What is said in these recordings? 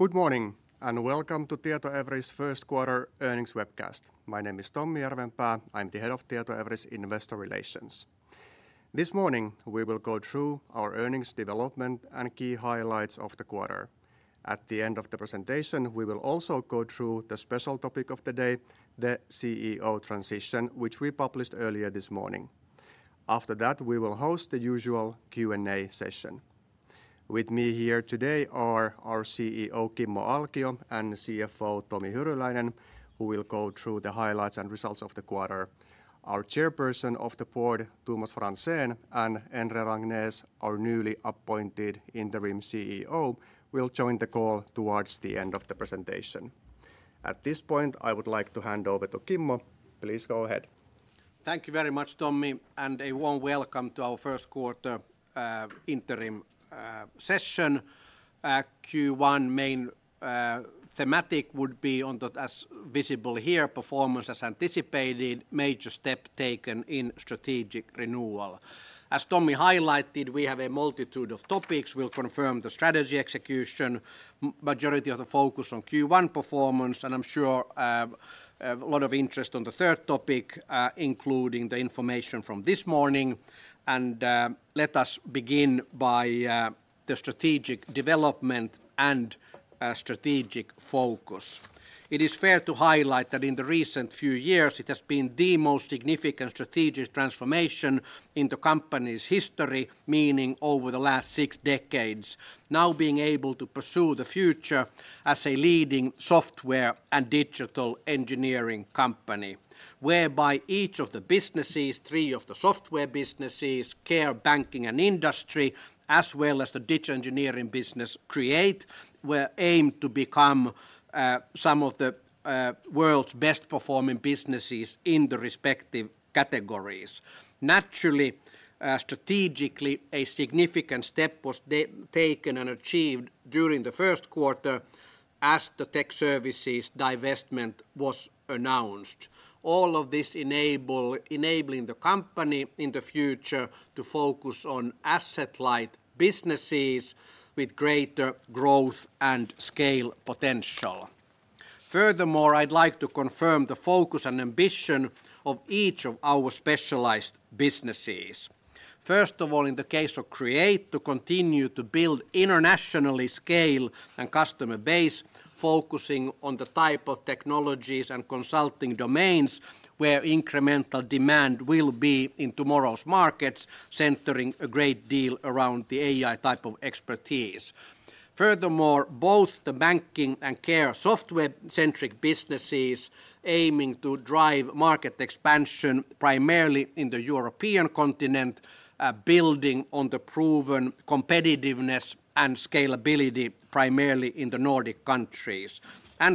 Good morning and welcome to Tietoevry's first quarter earnings webcast. My name is Tommi Järvenpää. I'm the Head of Tietoevry's Investor Relations. This morning we will go through our earnings development and key highlights of the quarter. At the end of the presentation we will also go through the special topic of the day, the CEO transition, which we published earlier this morning. After that we will host the usual Q&A session. With me here today are our CEO Kimmo Alkio and CFO Tomi Hyryläinen, who will go through the highlights and results of the quarter. Our Chairperson of the Board, Tomas Franzén, and Endre Rangnes, our newly appointed Interim CEO, will join the call towards the end of the presentation. At this point I would like to hand over to Kimmo. Please go ahead. Thank you very much, Tommi, and a warm welcome to our first quarter interim session. Q1 main thematic would be on that as visible here, performance as anticipated, major step taken in strategic renewal. As Tommi highlighted, we have a multitude of topics. We will confirm the strategy execution, majority of the focus on Q1 performance, and I am sure a lot of interest on the third topic, including the information from this morning. Let us begin by the strategic development and strategic focus. It is fair to highlight that in the recent few years it has been the most significant strategic transformation in the company's history, meaning over the last six decades, now being able to pursue the future as a leading software and digital engineering company, whereby each of the businesses, three of the software businesses, Care, Banking, and Industry, as well as the digital engineering business, Create, were aimed to become some of the world's best performing businesses in the respective categories. Naturally, strategically, a significant step was taken and achieved during the first quarter as the Tech Services divestment was announced. All of this enabling the company in the future to focus on asset-light businesses with greater growth and scale potential. Furthermore, I'd like to confirm the focus and ambition of each of our specialized businesses. First of all, in the case of Create, to continue to build internationally scale and customer base, focusing on the type of technologies and consulting domains where incremental demand will be in tomorrow's markets, centering a great deal around the AI type of expertise. Furthermore, both the Banking and Care software-centric businesses aiming to drive market expansion primarily in the European continent, building on the proven competitiveness and scalability primarily in the Nordic countries.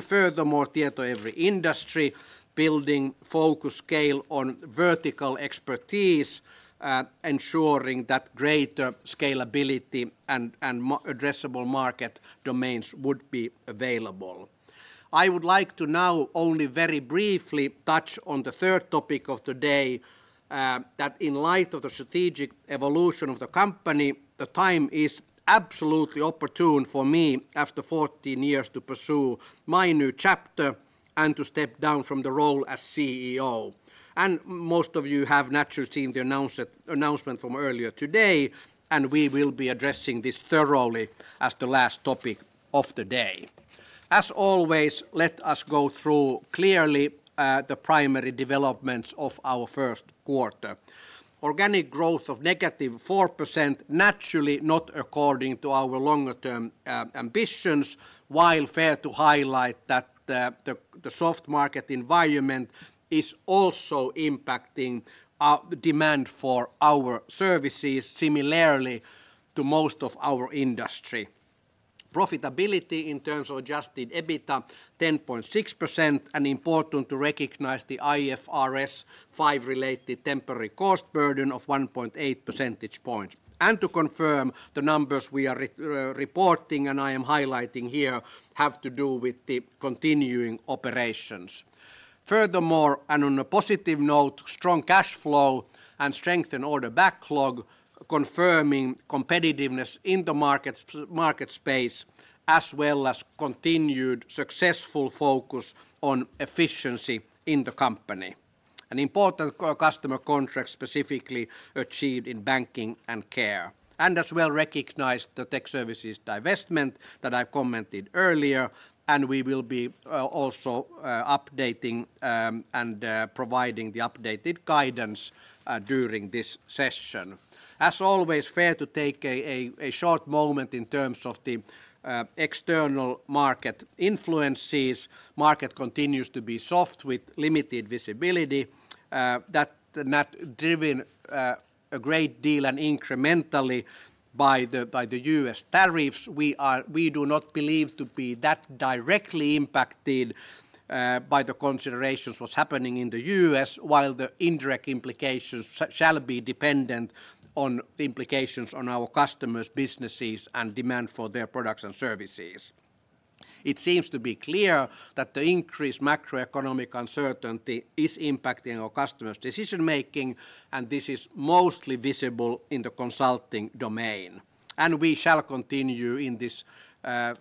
Furthermore, Tietoevry Industry building focus scale on vertical expertise, ensuring that greater scalability and addressable market domains would be available. I would like to now only very briefly touch on the third topic of the day, that in light of the strategic evolution of the company, the time is absolutely opportune for me after 14 years to pursue my new chapter and to step down from the role as CEO. Most of you have naturally seen the announcement from earlier today, and we will be addressing this thoroughly as the last topic of the day. As always, let us go through clearly the primary developments of our first quarter. Organic growth of negative 4%, naturally not according to our longer-term ambitions, while fair to highlight that the soft market environment is also impacting demand for our services similarly to most of our Industry. Profitability in terms of adjusted EBITDA 10.6%, and important to recognize the IFRS 5 related temporary cost burden of 1.8 percentage points. To confirm, the numbers we are reporting and I am highlighting here have to do with the continuing operations. Furthermore, and on a positive note, strong cash flow and strengthened order backlog, confirming competitiveness in the market space, as well as continued successful focus on efficiency in the company. An important customer contract specifically achieved in Banking and Care. As well, recognized the tech services divestment that I commented earlier, and we will be also updating and providing the updated guidance during this session. As always, fair to take a short moment in terms of the external market influences. Market continues to be soft with limited visibility. That driven a great deal and incrementally by the U.S. tariffs. We do not believe to be that directly impacted by the considerations what's happening in the US, while the indirect implications shall be dependent on the implications on our customers, businesses, and demand for their products and services. It seems to be clear that the increased macroeconomic uncertainty is impacting our customers' decision making, and this is mostly visible in the consulting domain. We shall continue in this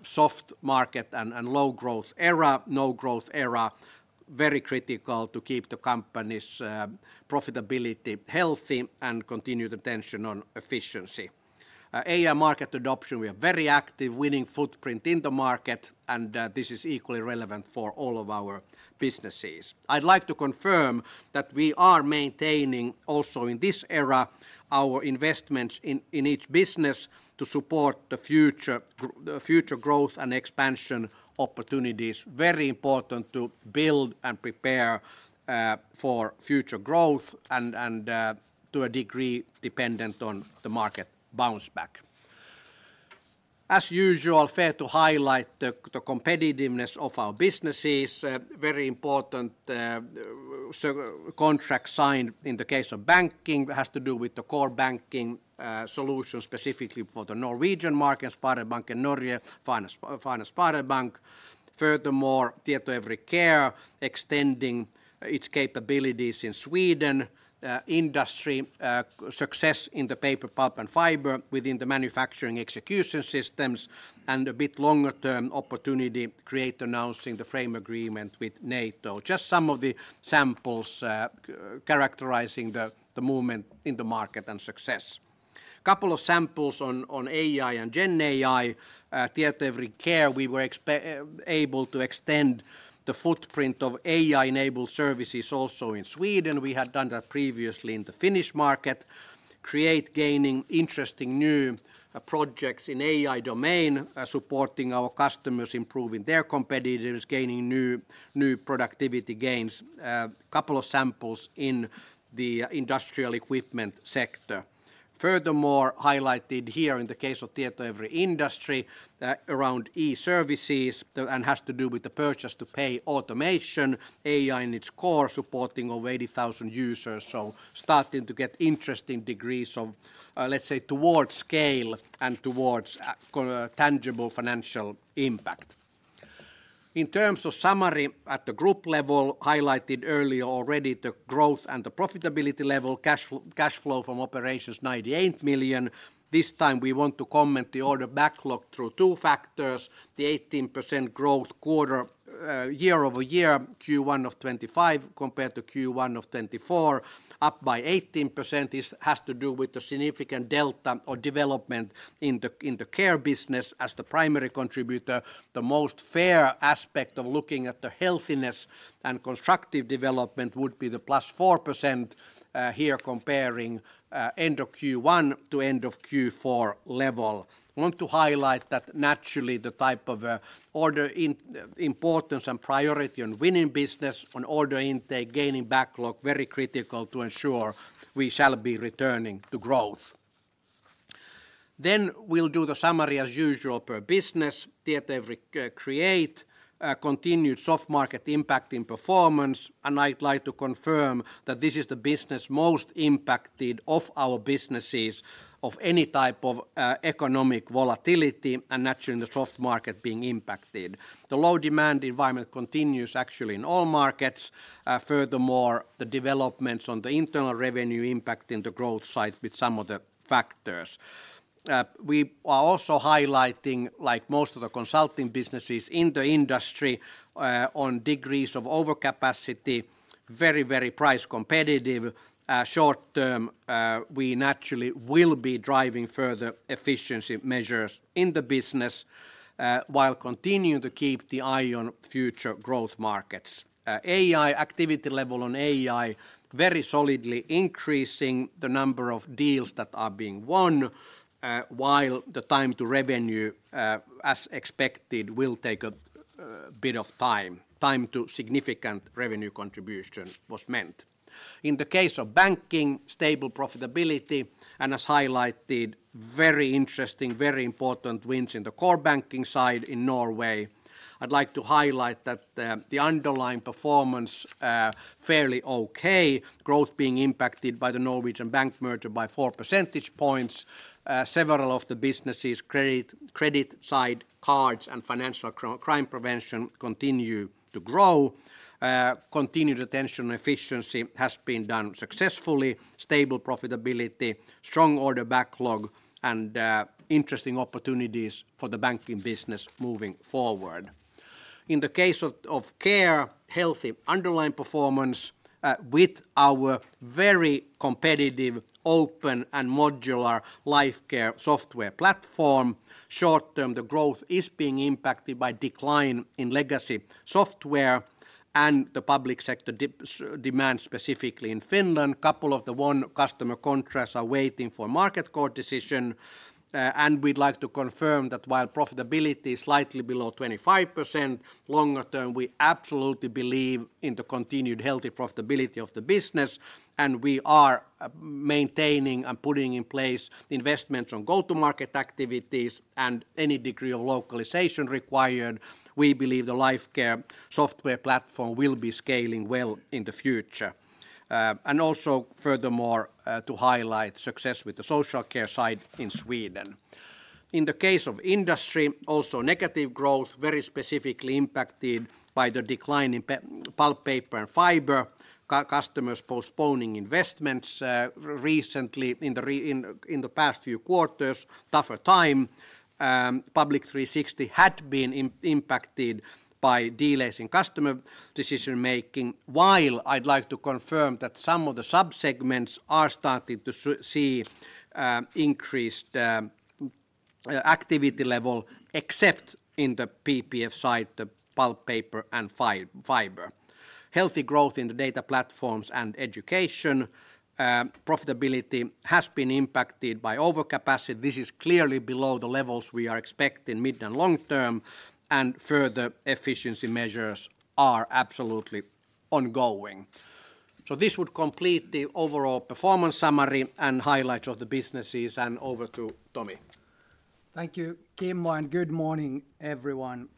soft market and low growth era, no growth era, very critical to keep the company's profitability healthy and continue the tension on efficiency. AI market adoption, we are very active, winning footprint in the market, and this is equally relevant for all of our businesses. I'd like to confirm that we are maintaining also in this era our investments in each business to support the future growth and expansion opportunities. Very important to build and prepare for future growth and to a degree dependent on the market bounce back. As usual, fair to highlight the competitiveness of our businesses. Very important contract signed in the case of Banking has to do with the core Banking solution specifically for the Norwegian market, Sparebanken Norge, Fana Sparebank. Furthermore, Tietoevry Care extending its capabilities in Sweden, Industry success in the paper, pulp, and fiber within the manufacturing execution systems, and a bit longer-term opportunity Create announcing the frame agreement with NATO. Just some of the samples characterizing the movement in the market and success. A couple of samples on AI and GenAI. Tietoevry Care we were able to extend the footprint of AI-enabled services also in Sweden. We had done that previously in the Finnish market. Create gaining interesting new projects in AI domain, supporting our customers, improving their competitors, gaining new productivity gains. A couple of samples in the industrial equipment sector. Furthermore, highlighted here in the case of Tietoevry Industry around e-services and has to do with the Purchase-to-Pay automation, AI in its core supporting over 80,000 users. Starting to get interesting degrees of, let's say, towards scale and towards tangible financial impact. In terms of summary at the group level, highlighted earlier already the growth and the profitability level, cash flow from operations 98 million. This time we want to comment the order backlog through two factors. The 18% growth quarter year over year, Q1 of 2025 compared to Q1 of 2024, up by 18% has to do with the significant delta or development in the Care business as the primary contributor. The most fair aspect of looking at the healthiness and constructive development would be the +4% here comparing end of Q1 to end of Q4 level. Want to highlight that naturally the type of order importance and priority on winning business, on order intake, gaining backlog, very critical to ensure we shall be returning to growth. We will do the summary as usual per business. Tietoevry Create, continued soft market impacting performance. I'd like to confirm that this is the business most impacted of our businesses of any type of economic volatility and naturally the soft market being impacted. The low demand environment continues actually in all markets. Furthermore, the developments on the internal revenue impacting the growth side with some of the factors. We are also highlighting, like most of the consulting businesses in the Industry, on degrees of overcapacity, very, very price competitive. Short term, we naturally will be driving further efficiency measures in the business while continuing to keep the eye on future growth markets. AI activity level on AI very solidly increasing the number of deals that are being won, while the time to revenue, as expected, will take a bit of time. Time to significant revenue contribution was meant. In the case of Banking, stable profitability and as highlighted, very interesting, very important wins in the core Banking side in Norway. I'd like to highlight that the underlying performance fairly okay, growth being impacted by the Norwegian bank merger by 4 percentage points. Several of the businesses' credit side cards and Financial Crime Prevention continue to grow. Continued attention and efficiency has been done successfully, stable profitability, strong order backlog, and interesting opportunities for the Banking business moving forward. In the case of Care, healthy underlying performance with our very competitive open and modular Lifecare software platform. Short term, the growth is being impacted by decline in legacy software and the public sector demand specifically in Finland. A couple of the one customer contracts are waiting for Market Court decision. We'd like to confirm that while profitability is slightly below 25%, longer term we absolutely believe in the continued healthy profitability of the business and we are maintaining and putting in place investments on go-to-market activities and any degree of localization required. We believe the Lifecare software platform will be scaling well in the future. Furthermore, to highlight success with the Social Care side in Sweden. In the case of Industry, also negative growth very specifically impacted by the decline in Pulp, Paper, and Fiber, customers postponing investments recently in the past few quarters, tougher time. Public 360 had been impacted by delays in customer decision making, while I'd like to confirm that some of the subsegments are starting to see increased activity level except in the PPF side, the Pulp, Paper, and Fiber. Healthy growth in the data platforms and education. Profitability has been impacted by overcapacity. This is clearly below the levels we are expecting mid and long term, and further efficiency measures are absolutely ongoing. This would complete the overall performance summary and highlights of the businesses, and over to Tomi. Thank you, Kimmo, and good morning everyone.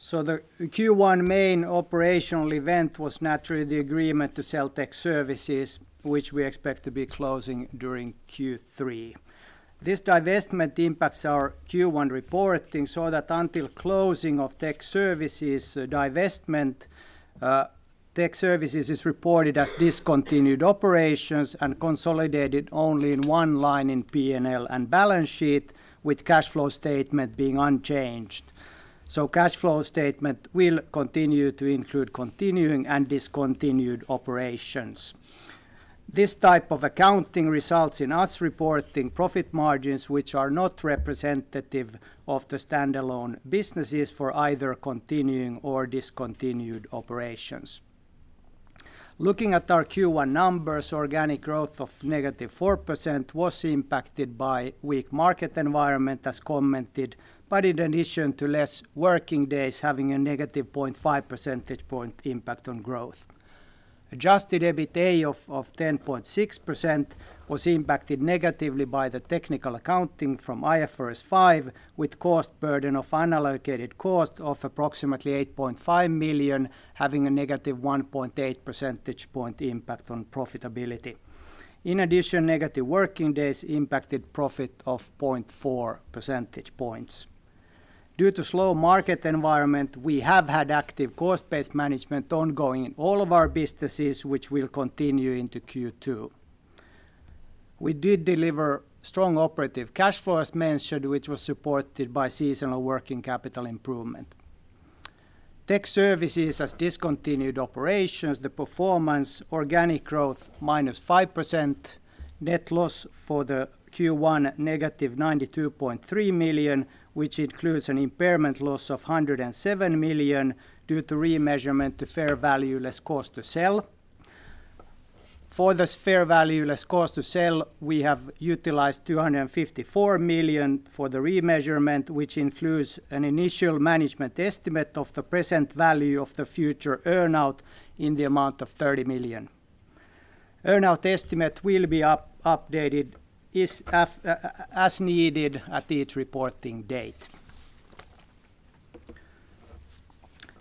The Q1 main operational event was naturally the agreement to sell tech services, which we expect to be closing during Q3. This divestment impacts our Q1 reporting so that until closing of tech services, divestment tech services is reported as discontinued operations and consolidated only in one line in P&L and balance sheet, with cash flow statement being unchanged. Cash flow statement will continue to include continuing and discontinued operations. This type of accounting results in us reporting profit margins which are not representative of the standalone businesses for either continuing or discontinued operations. Looking at our Q1 numbers, organic growth of negative 4% was impacted by weak market environment as commented, but in addition to less working days having a negative 0.5 percentage point impact on growth. Adjusted EBITDA of 10.6% was impacted negatively by the technical accounting from IFRS 5, with cost burden of unallocated cost of approximately 8.5 million, having a negative 1.8 percentage point impact on profitability. In addition, negative working days impacted profit of 0.4 percentage points. Due to slow market environment, we have had active cost-based management ongoing in all of our businesses, which will continue into Q2. We did deliver strong operative cash flow as mentioned, which was supported by seasonal working capital improvement. Tech services as discontinued operations, the performance, organic growth -5%, net loss for the Q1 negative 92.3 million, which includes an impairment loss of 107 million due to remeasurement to fair value less cost to sell. For the fair value less cost to sell, we have utilized 254 million for the remeasurement, which includes an initial management estimate of the present value of the future earnout in the amount of 30 million. Earnout estimate will be updated as needed at each reporting date.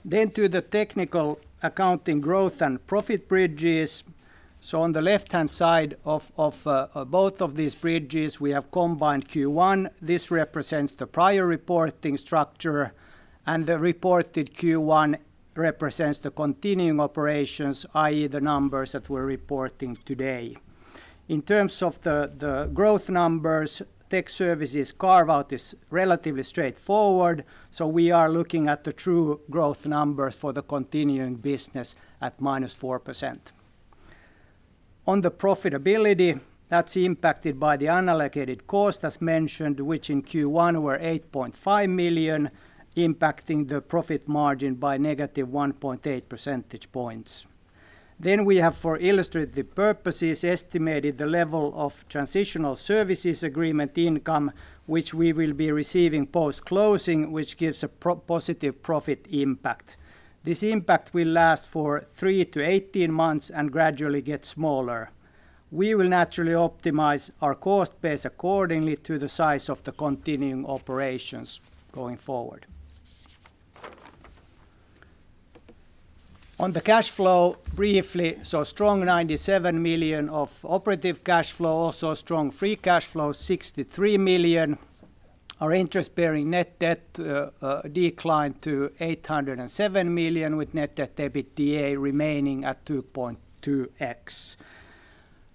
To the technical accounting growth and profit bridges. On the left-hand side of both of these bridges, we have combined Q1. This represents the prior reporting structure, and the reported Q1 represents the continuing operations, i.e., the numbers that we're reporting today. In terms of the growth numbers, tech services carve-out is relatively straightforward, so we are looking at the true growth numbers for the continuing business at -4%. On the profitability, that's impacted by the unallocated cost as mentioned, which in Q1 were 8.5 million, impacting the profit margin by -1.8 percentage points. We have for illustrative purposes estimated the level of transitional services agreement income, which we will be receiving post-closing, which gives a positive profit impact. This impact will last for 3-18 months and gradually get smaller. We will naturally optimize our cost base accordingly to the size of the continuing operations going forward. On the cash flow briefly, strong 97 million of operative cash flow, also strong free cash flow 63 million. Our interest-bearing net debt declined to 807 million, with net debt EBITDA remaining at 2.2x.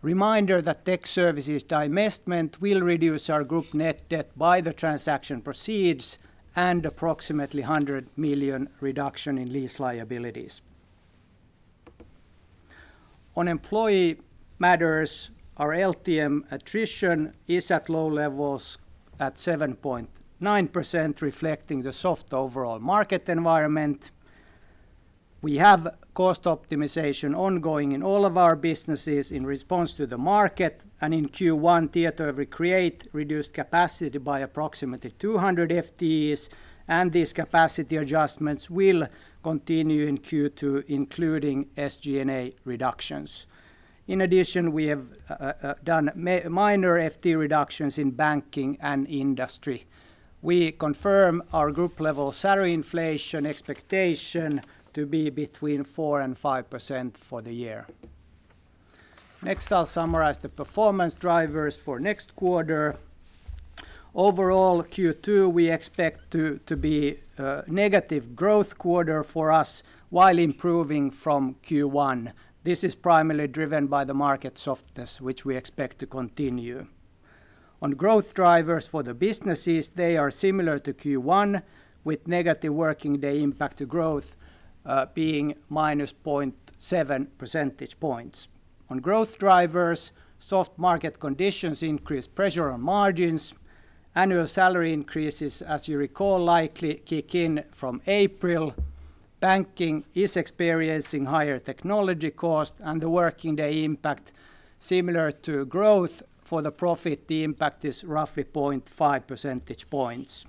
Reminder that Tech Services divestment will reduce our group net debt by the transaction proceeds and approximately 100 million reduction in lease liabilities. On employee matters, our LTM attrition is at low levels at 7.9%, reflecting the soft overall market environment. We have cost optimization ongoing in all of our businesses in response to the market, and in Q1, Tietoevry Create reduced capacity by approximately 200 FTEs, and these capacity adjustments will continue in Q2, including SG&A reductions. In addition, we have done minor FTE reductions in Banking and Industry. We confirm our group level salary inflation expectation to be between 4%-5% for the year. Next, I'll summarize the performance drivers for next quarter. Overall, Q2 we expect to be a negative growth quarter for us while improving from Q1. This is primarily driven by the market softness, which we expect to continue. On growth drivers for the businesses, they are similar to Q1, with negative working day impact to growth being -0.7 percentage points. On growth drivers, soft market conditions increase pressure on margins. Annual salary increases, as you recall, likely kick in from April. Banking is experiencing higher technology cost, and the working day impact similar to growth for the profit, the impact is roughly 0.5 percentage points.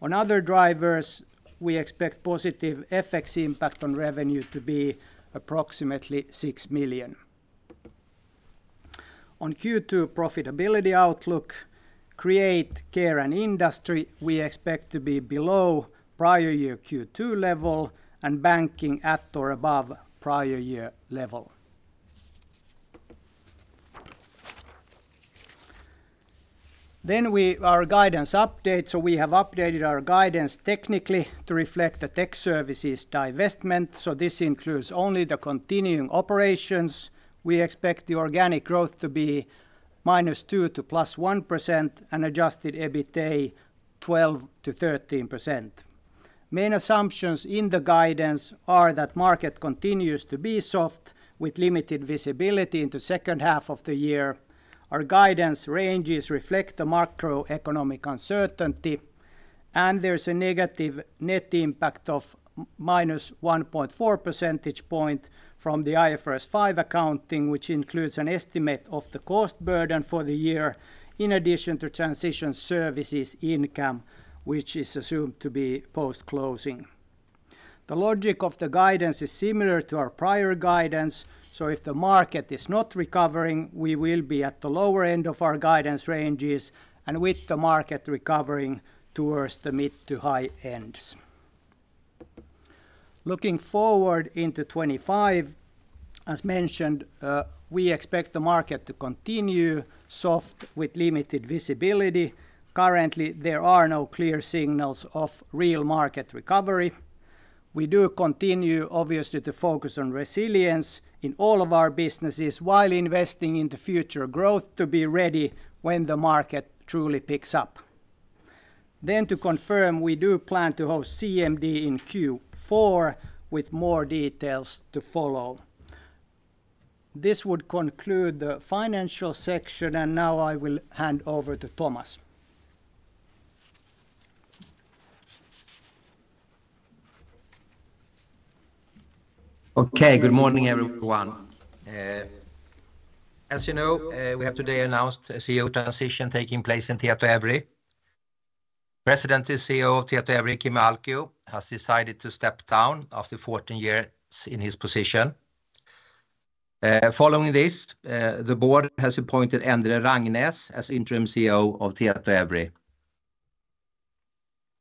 On other drivers, we expect positive FX impact on revenue to be approximately 6 million. On Q2 profitability outlook, Create, Care, and Industry we expect to be below prior year Q2 level and Banking at or above prior year level. We are guidance update, so we have updated our guidance technically to reflect the Tech Services divestment, so this includes only the continuing operations. We expect the organic growth to be -2% to +1% and adjusted EBITDA 12%-13%. Main assumptions in the guidance are that market continues to be soft with limited visibility into second half of the year. Our guidance ranges reflect the macroeconomic uncertainty, and there is a negative net impact of -1.4 percentage point from the IFRS 5 accounting, which includes an estimate of the cost burden for the year in addition to transition services income, which is assumed to be post-closing. The logic of the guidance is similar to our prior guidance, so if the market is not recovering, we will be at the lower end of our guidance ranges and with the market recovering towards the mid to high ends. Looking forward into 2025, as mentioned, we expect the market to continue soft with limited visibility. Currently, there are no clear signals of real market recovery. We do continue, obviously, to focus on resilience in all of our businesses while investing in the future growth to be ready when the market truly picks up. To confirm, we do plan to host CMD in Q4 with more details to follow. This would conclude the financial section, and now I will hand over to Tomas. Good morning everyone. As you know, we have today announced a CEO transition taking place in Tietoevry. President and CEO of Tietoevry, Kimmo Alkio, has decided to step down after 14 years in his position. Following this, the board has appointed Endre Rangnes as interim CEO of Tietoevry.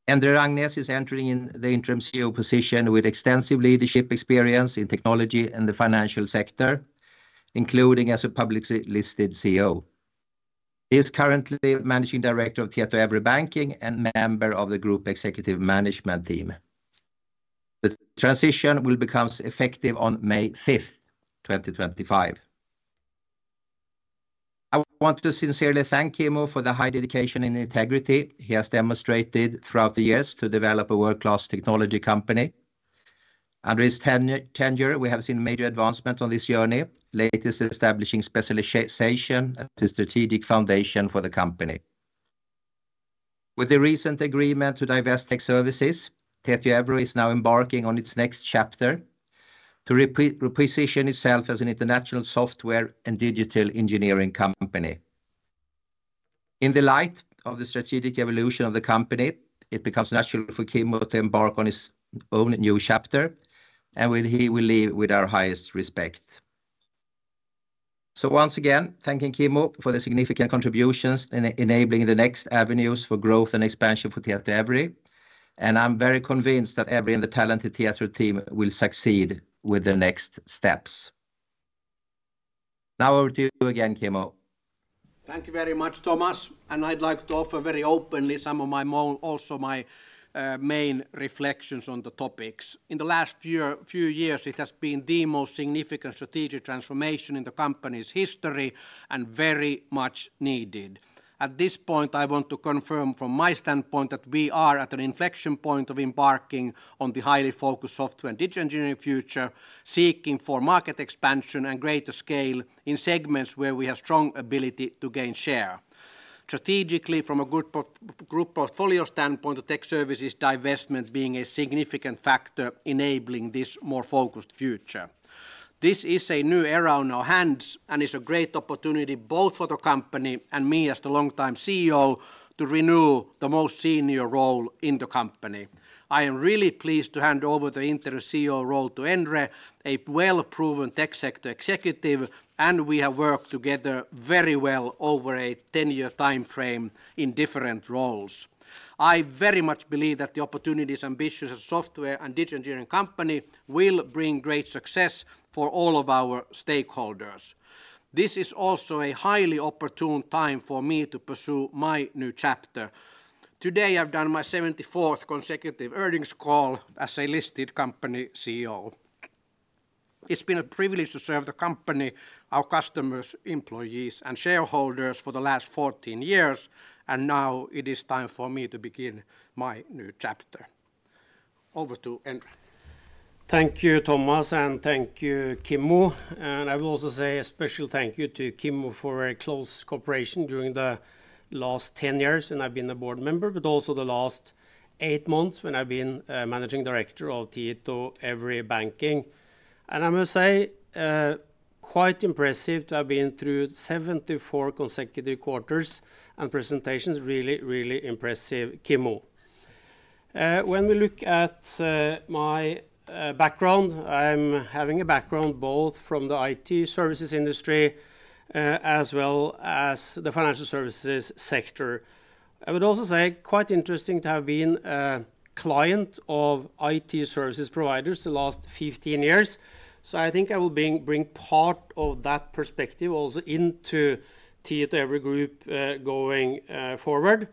Endre Rangnes is entering in the interim CEO position with extensive leadership experience in technology and the financial sector, including as a publicly listed CEO. He is currently Managing Director of Tietoevry Banking and member of the group executive management team. The transition will become effective on May 5th, 2025. I want to sincerely thank Kimmo for the high dedication and integrity he has demonstrated throughout the years to develop a world-class technology company. Under his tenure, we have seen major advancements on this journey, latest establishing specialization as a strategic foundation for the company. With the recent agreement to divest Tech Services, Tietoevry is now embarking on its next chapter to reposition itself as an international software and digital engineering company. In the light of the strategic evolution of the company, it becomes natural for Kimmo to embark on his own new chapter, and he will leave with our highest respect. Once again, thanking Kimmo for the significant contributions in enabling the next avenues for growth and expansion for Tietoevry, and I'm very convinced that Endre and the talented Tietoevry team will succeed with the next steps. Now over to you again, Kimmo. Thank you very much, Tomas, and I'd like to offer very openly some of my also my main reflections on the topics. In the last few years, it has been the most significant strategic transformation in the company's history and very much needed. At this point, I want to confirm from my standpoint that we are at an inflection point of embarking on the highly focused software and digital engineering future, seeking for market expansion and greater scale in segments where we have strong ability to gain share. Strategically, from a group portfolio standpoint, the tech services divestment being a significant factor enabling this more focused future. This is a new era on our hands and is a great opportunity both for the company and me as the long-time CEO to renew the most senior role in the company. I am really pleased to hand over the interim CEO role to Endre, a well-proven tech sector executive, and we have worked together very well over a 10-year timeframe in different roles. I very much believe that the opportunities ambitious as a software and digital engineering company will bring great success for all of our stakeholders. This is also a highly opportune time for me to pursue my new chapter. Today, I've done my 74th consecutive earnings call as a listed company CEO. It's been a privilege to serve the company, our customers, employees, and shareholders for the last 14 years, and now it is time for me to begin my new chapter. Over to Endre. Thank you, Tomas, and thank you, Kimmo, and I will also say a special thank you to Kimmo for a close cooperation during the last 10 years when I've been a board member, but also the last eight months when I've been Managing Director of Tietoevry Banking. I must say, quite impressive to have been through 74 consecutive quarters and presentations, really, really impressive, Kimmo. When we look at my background, I have a background both from the IT services Industry, as well as the financial services sector. I would also say quite interesting to have been a client of IT services providers the last 15 years, so I think I will bring part of that perspective also into Tietoevry Group, going forward.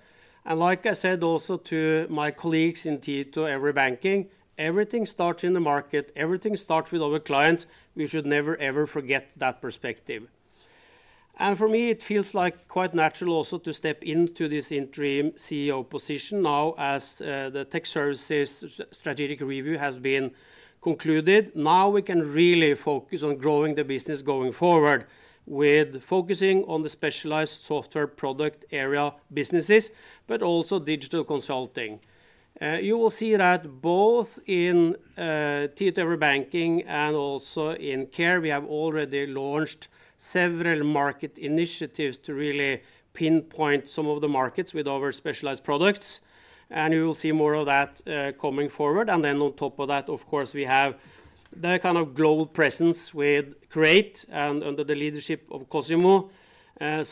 Like I said also to my colleagues in Tietoevry Banking, everything starts in the market, everything starts with our clients, we should never, ever forget that perspective. For me, it feels quite natural also to step into this interim CEO position now as the Tech Services strategic review has been concluded. Now we can really focus on growing the business going forward with focusing on the specialized software product area businesses, but also digital consulting. You will see that both in Tietoevry Banking and also in Care, we have already launched several market initiatives to really pinpoint some of the markets with our specialized products, and you will see more of that coming forward. On top of that, of course, we have the kind of global presence with Create and under the leadership of Cosimo.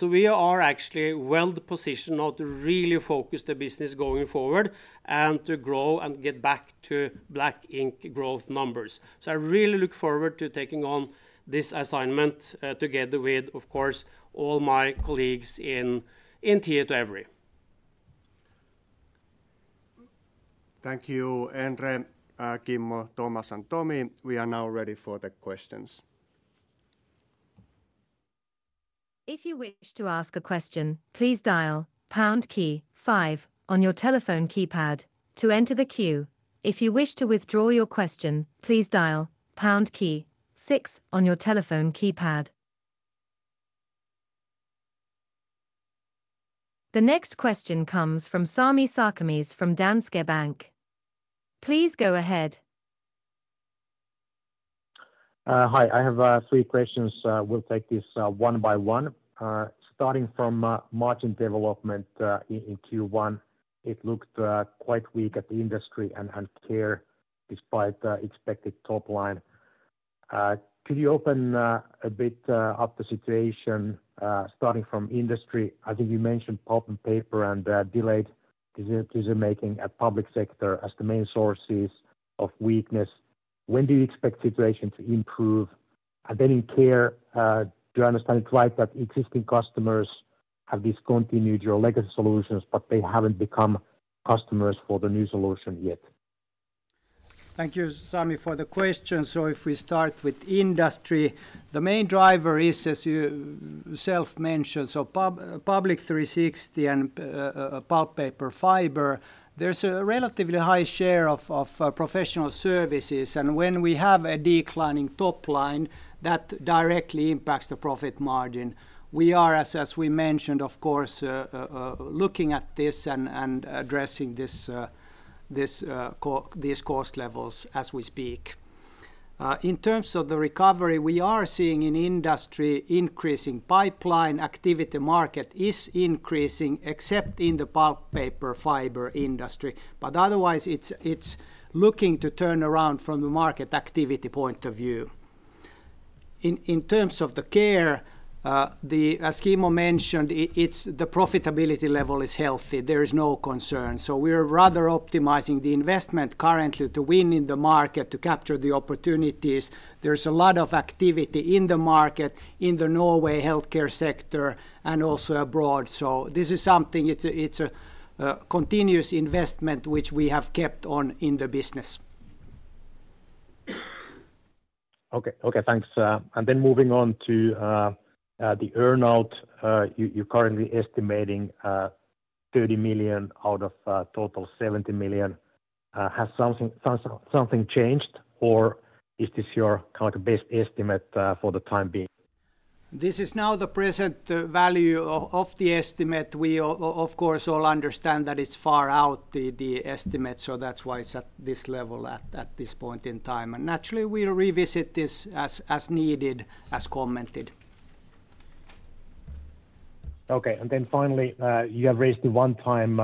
We are actually well positioned now to really focus the business going forward and to grow and get back to black ink growth numbers. I really look forward to taking on this assignment together with, of course, all my colleagues in Tietoevry. Thank you, Endre, Kimmo, Tomas, and Tomi. We are now ready for the questions. If you wish to ask a question, please dial pound key five on your telephone keypad to enter the queue. If you wish to withdraw your question, please dial pound key six on your telephone keypad. The next question comes from Sami Sarkamies from Danske Bank. Please go ahead. Hi, I have three questions. We'll take this one by one. Starting from margin development in Q1, it looked quite weak at the Industry and Care despite the expected top line. Could you open a bit up the situation starting from Industry? I think you mentioned pulp and paper and delayed decision-making at public sector as the main sources of weakness. When do you expect the situation to improve? In Care, do I understand it right that existing customers have discontinued your legacy solutions, but they have not become customers for the new solution yet? Thank you, Sami, for the question. If we start with Industry, the main driver is, as you self mentioned, Public 360 and pulp paper fiber. There is a relatively high share of professional services, and when we have a declining top line that directly impacts the profit margin. We are, as we mentioned, of course, looking at this and addressing these cost levels as we speak. In terms of the recovery, we are seeing in Industry increasing pipeline activity. Market is increasing except in the pulp paper fiber Industry, but otherwise it is looking to turn around from the market activity point of view. In terms of the Care, as Kimmo mentioned, the profitability level is healthy. There is no concern. We are rather optimizing the investment currently to win in the market to capture the opportunities. There is a lot of activity in the market in the Norway healthcare sector and also abroad. This is something, it is a continuous investment which we have kept on in the business. Okay, okay, thanks. Moving on to the earnout, you are currently estimating 30 million out of total 70 million. Has something changed or is this your kind of best estimate for the time being? This is now the present value of the estimate. We, of course, all understand that it's far out the estimate, so that's why it's at this level at this point in time. Naturally, we'll revisit this as needed, as commented. Okay, and then finally, you have raised the one-time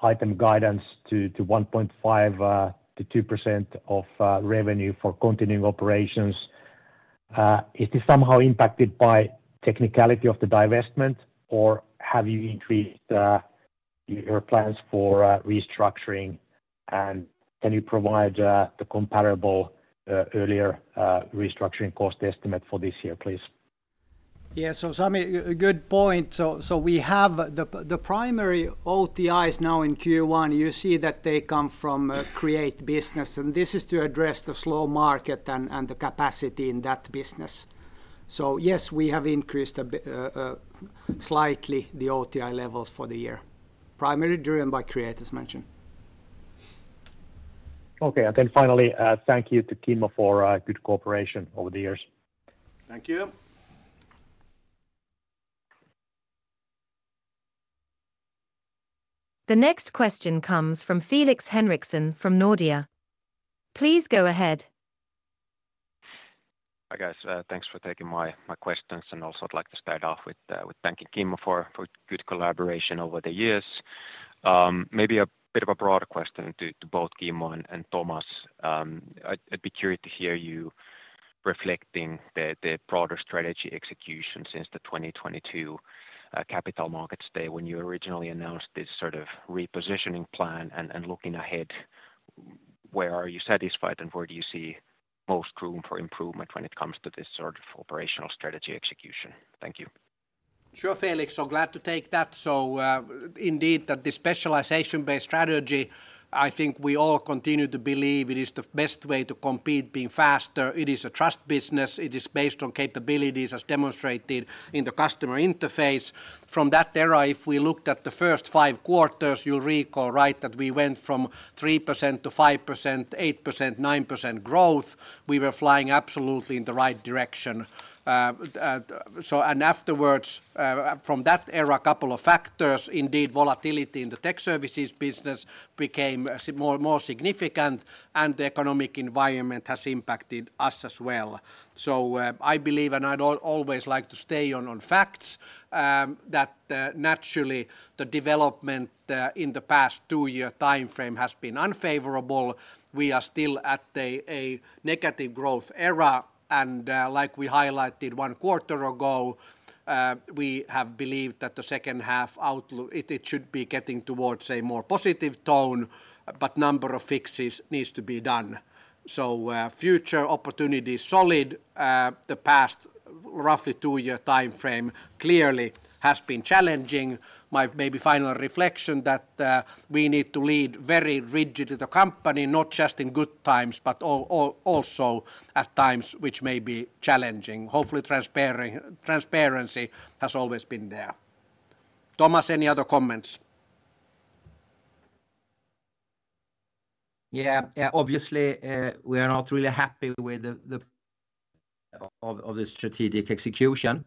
item guidance to 1.5%-2% of revenue for continuing operations. Is this somehow impacted by technicality of the divestment or have you increased your plans for restructuring and can you provide the comparable earlier restructuring cost estimate for this year, please? Yeah, so Sami, good point. We have the primary OTIs now in Q1. You see that they come from Create business, and this is to address the slow market and the capacity in that business. Yes, we have increased slightly the OTI levels for the year, primarily driven by Create as mentioned. Okay, and then finally, thank you to Kimmo for good cooperation over the years. Thank you. The next question comes from Felix Henriksson from Nordea. Please go ahead. Hi guys, thanks for taking my questions and also I'd like to start off with thanking Kimmo for good collaboration over the years. Maybe a bit of a broader question to both Kimmo and Tomas. I'd be curious to hear you reflecting the broader strategy execution since the 2022 Capital Markets Day when you originally announced this sort of repositioning plan and looking ahead, where are you satisfied and where do you see most room for improvement when it comes to this sort of operational strategy execution? Thank you. Sure, Felix, I'm glad to take that. So indeed, that the specialization-based strategy, I think we all continue to believe it is the best way to compete being faster. It is a trust business. It is based on capabilities as demonstrated in the customer interface. From that era, if we looked at the first five quarters, you'll recall, right, that we went from 3%-5%-8%-9% growth. We were flying absolutely in the right direction. Afterwards, from that era, a couple of factors, indeed, volatility in the tech services business became more significant and the economic environment has impacted us as well. I believe, and I'd always like to stay on facts, that naturally the development in the past two-year timeframe has been unfavorable. We are still at a negative growth era. Like we highlighted one quarter ago, we have believed that the second half, it should be getting towards a more positive tone, but a number of fixes needs to be done. Future opportunity is solid. The past roughly two-year timeframe clearly has been challenging. My maybe final reflection that we need to lead very rigidly the company, not just in good times, but also at times which may be challenging. Hopefully, transparency has always been there. Tomas, any other comments? Yeah, obviously we are not really happy with the. Of the strategic execution.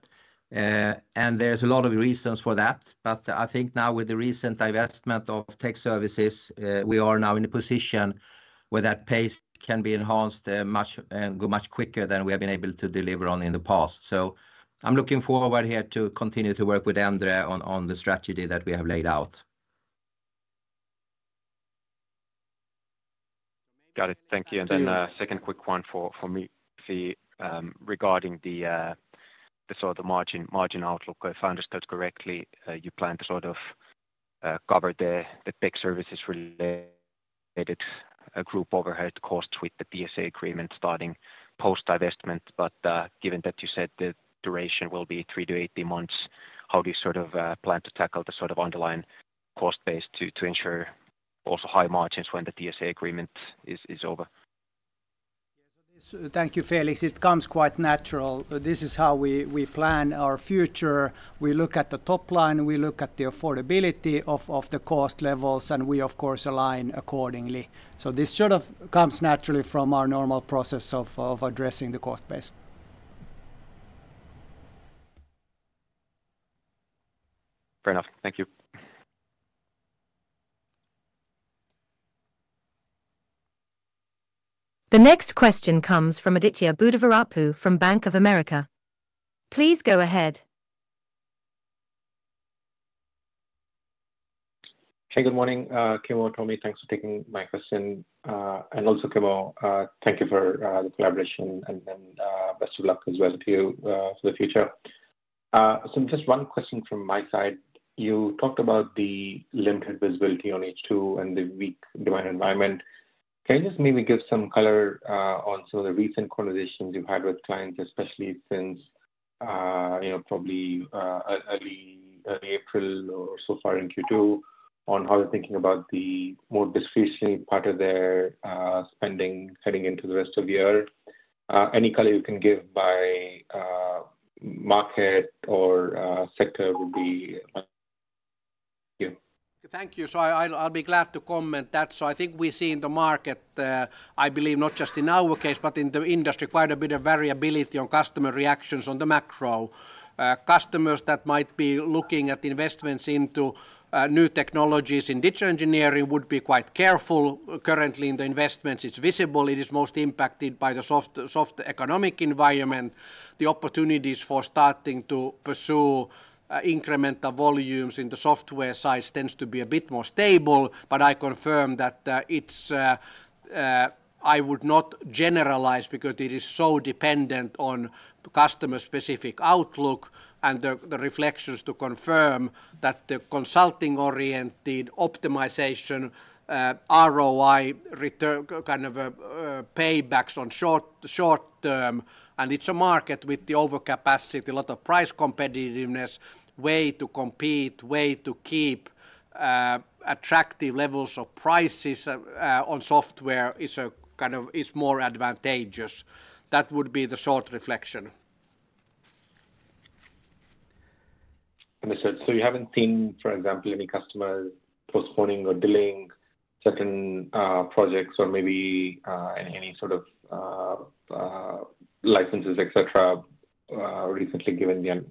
And there's a lot of reasons for that. I think now with the recent divestment of tech services, we are now in a position where that pace can be enhanced much and go much quicker than we have been able to deliver on in the past. I am looking forward here to continue to work with Endre on the strategy that we have laid out. Got it, thank you. Then a second quick one for me, regarding the sort of the margin outlook. If I understood correctly, you plan to sort of cover the tech services related group overhead costs with the TSA agreement starting post-divestment. Given that you said the duration will be three to eight months, how do you sort of plan to tackle the sort of underlying cost base to ensure also high margins when the TSA agreement is over? Thank you, Felix. It comes quite natural. This is how we plan our future. We look at the top line, we look at the affordability of the cost levels, and we, of course, align accordingly. This sort of comes naturally from our normal process of addressing the cost base. Fair enough, thank you. The next question comes from Aditya Buddhavarapu from Bank of America. Please go ahead. Hey, good morning, Kimmo and Tomi. Thanks for taking my question. Kimmo, thank you for the collaboration and best of luck as well to you for the future. Just one question from my side. You talked about the limited visibility on H2 and the weak demand environment. Can you just maybe give some color on some of the recent conversations you've had with clients, especially since probably early April or so far in Q2, on how they're thinking about the more discretionary part of their spending heading into the rest of the year? Any color you can give by market or sector would be thank you. Thank you. I'll be glad to comment on that. I think we see in the market, I believe not just in our case, but in the Industry, quite a bit of variability on customer reactions on the macro. Customers that might be looking at investments into new technologies in digital engineering would be quite careful. Currently, in the investments, it's visible. It is most impacted by the soft economic environment. The opportunities for starting to pursue incremental volumes in the software side tends to be a bit more stable. I confirm that I would not generalize because it is so dependent on customer-specific outlook and the reflections to confirm that the consulting-oriented optimization, ROI, kind of paybacks on short term. It is a market with overcapacity, a lot of price competitiveness, way to compete, way to keep attractive levels of prices on software is more advantageous. That would be the short reflection. You haven't seen, for example, any customer postponing or delaying certain projects or maybe any sort of licenses, etc., recently given the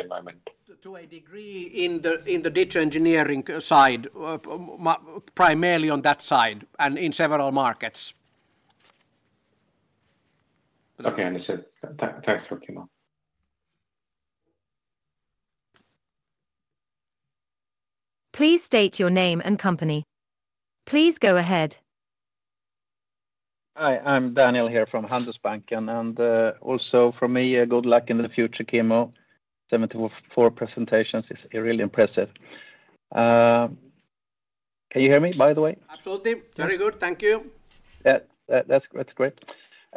environment? To a degree in the digital engineering side, primarily on that side and in several markets. Okay, understood. Thanks for Kimmo. Please state your name and company. Please go ahead. Hi, I'm Daniel here from Handelsbanken and also for me, good luck in the future, Kimmo. Seventy-four presentations is really impressive. Can you hear me, by the way? Absolutely. Very good. Thank you. That's great.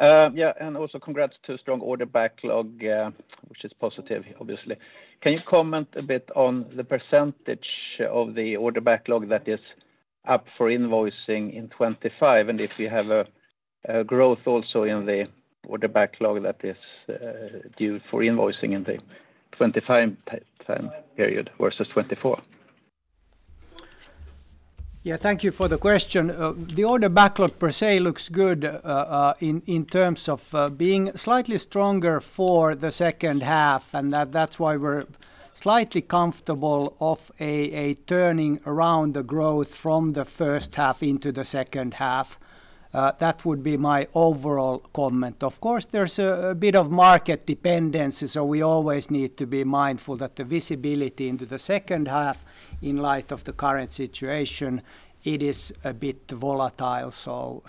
Yeah, and also congrats to strong order backlog, which is positive, obviously. Can you comment a bit on the percentage of the order backlog that is up for invoicing in 2025 and if you have a growth also in the order backlog that is due for invoicing in the 2025 time period versus 2024? Yeah, thank you for the question. The order backlog per se looks good in terms of being slightly stronger for the second half, and that's why we're slightly comfortable of turning around the growth from the first half into the second half. That would be my overall comment. Of course, there's a bit of market dependency, so we always need to be mindful that the visibility into the second half in light of the current situation, it is a bit volatile.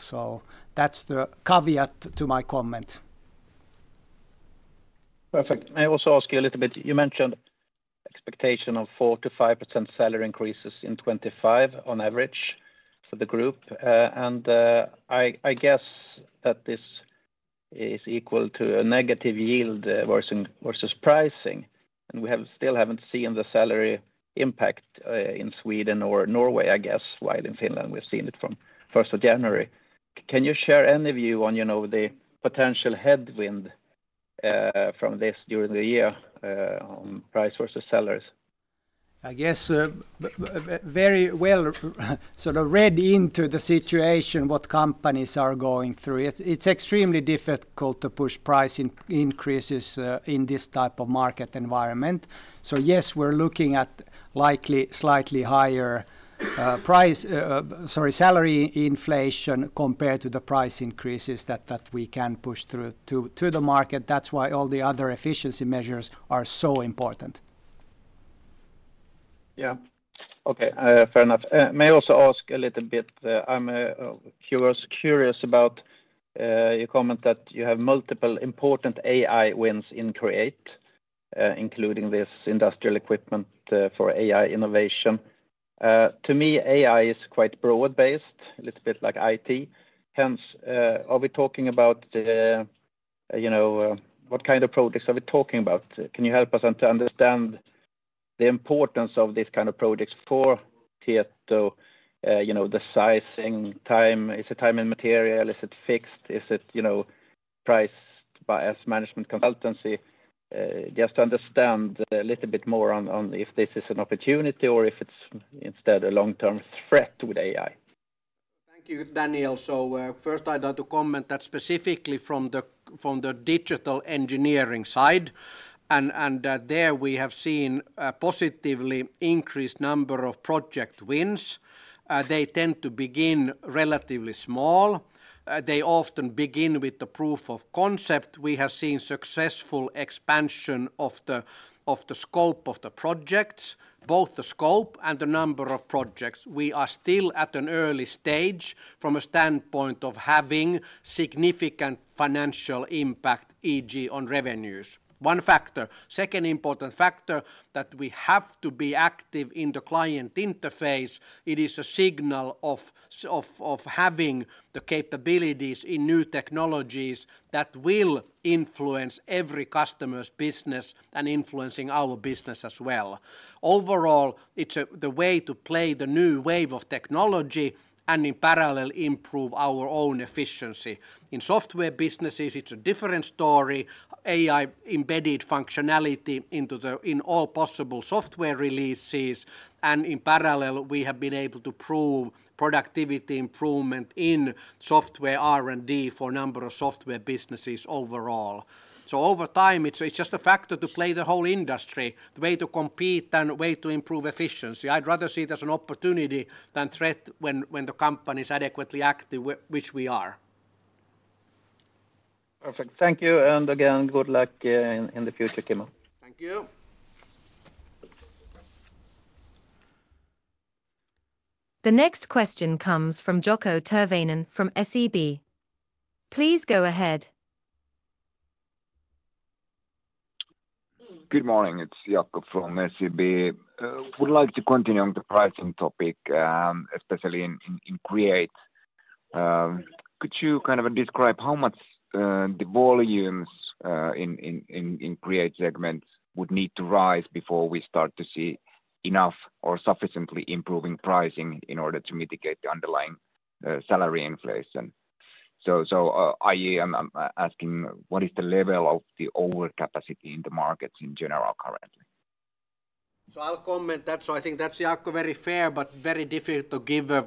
That's the caveat to my comment. Perfect. May I also ask you a little bit? You mentioned expectation of 4%-5% salary increases in 2025 on average for the group. I guess that this is equal to a negative yield versus pricing. We still haven't seen the salary impact in Sweden or Norway, I guess, while in Finland we've seen it from 1 January. Can you share any view on the potential headwind from this during the year on price versus salaries? I guess very well sort of read into the situation what companies are going through. It's extremely difficult to push price increases in this type of market environment. Yes, we're looking at likely slightly higher price, sorry, salary inflation compared to the price increases that we can push through to the market. That's why all the other efficiency measures are so important. Yeah, okay, fair enough. May I also ask a little bit? I'm curious about your comment that you have multiple important AI wins in Create, including this industrial equipment for AI innovation. To me, AI is quite broad-based, a little bit like IT. Hence, are we talking about what kind of projects are we talking about? Can you help us to understand the importance of these kind of projects for Tietoevry? The sizing time, is it time and material? Is it fixed? Is it priced by as management consultancy? Just to understand a little bit more on if this is an opportunity or if it's instead a long-term threat with AI. Thank you, Daniel. First, I'd like to comment that specifically from the digital engineering side. There we have seen a positively increased number of project wins. They tend to begin relatively small. They often begin with the proof of concept. We have seen successful expansion of the scope of the projects, both the scope and the number of projects. We are still at an early stage from a standpoint of having significant financial impact, e.g., on revenues. One factor, second important factor that we have to be active in the client interface, it is a signal of having the capabilities in new technologies that will influence every customer's business and influencing our business as well. Overall, it's the way to play the new wave of technology and in parallel improve our own efficiency. In software businesses, it's a different story. AI embedded functionality into all possible software releases. In parallel, we have been able to prove productivity improvement in software R&D for a number of software businesses overall. Over time, it's just a factor to play the whole Industry, the way to compete and the way to improve efficiency. I'd rather see it as an opportunity than threat when the company is adequately active, which we are. Perfect. Thank you. Again, good luck in the future, Kimmo. Thank you. The next question comes from Jaakko Tyrväinen from SEB. Please go ahead. Good morning. It's Jaakko from SEB. Would like to continue on the pricing topic, especially in Create. Could you kind of describe how much the volumes in Create segment would need to rise before we start to see enough or sufficiently improving pricing in order to mitigate the underlying salary inflation? I.e., I'm asking what is the level of the overcapacity in the markets in general currently? I'll comment that. I think that's Jaakko, very fair, but very difficult to give a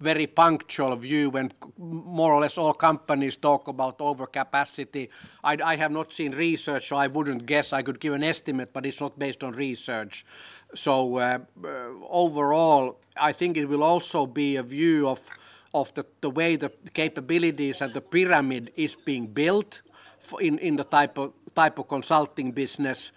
very punctual view when more or less all companies talk about overcapacity. I have not seen research, so I wouldn't guess. I could give an estimate, but it's not based on research. Overall, I think it will also be a view of the way the capabilities and the pyramid is being built in the type of consulting business.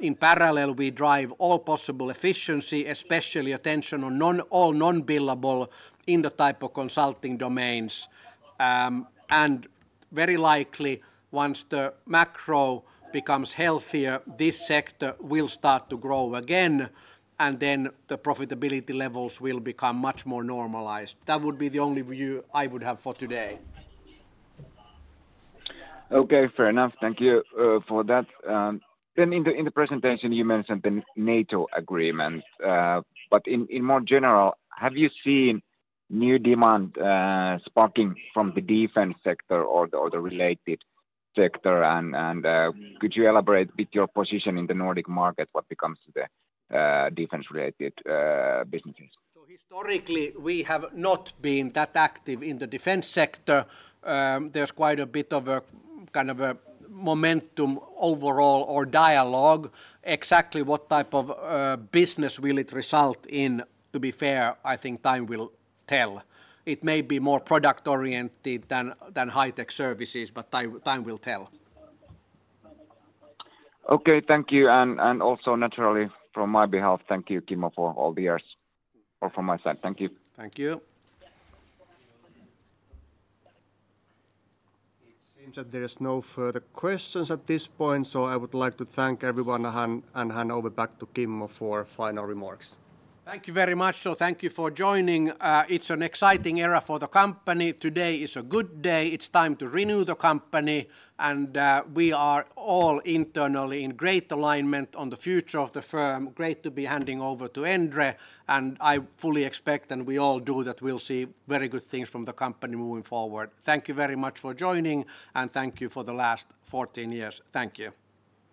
In parallel, we drive all possible efficiency, especially attention on all non-billable in the type of consulting domains. Very likely, once the macro becomes healthier, this sector will start to grow again, and then the profitability levels will become much more normalized. That would be the only view I would have for today. Okay, fair enough. Thank you for that. In the presentation, you mentioned the NATO agreement. In more general, have you seen new demand sparking from the defense sector or the related sector? Could you elaborate a bit your position in the Nordic market, what becomes the defense-related businesses? Historically, we have not been that active in the defense sector. There's quite a bit of a kind of momentum overall or dialogue. Exactly what type of business will it result in, to be fair, I think time will tell. It may be more product-oriented than high-tech services, but time will tell. Okay, thank you. Also naturally from my behalf, thank you, Kimmo, for all the years from my side. Thank you. Thank you. It seems that there are no further questions at this point. I would like to thank everyone and hand over back to Kimmo for final remarks. Thank you very much. Thank you for joining. It's an exciting era for the company. Today is a good day. It's time to renew the company. We are all internally in great alignment on the future of the firm. Great to be handing over to Endre. I fully expect, and we all do, that we'll see very good things from the company moving forward. Thank you very much for joining, and thank you for the last 14 years. Thank you.